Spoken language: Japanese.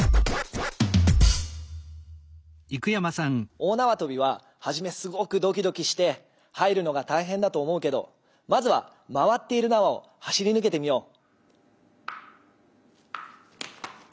大なわとびははじめすごくドキドキして入るのがたいへんだと思うけどまずは回っているなわを走りぬけてみよう。